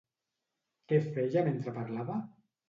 Què feia mentre parlava?